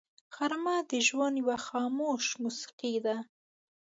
غرمه د ژوند یوه خاموش موسیقي ده